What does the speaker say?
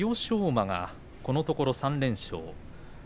馬、このところ３連勝です。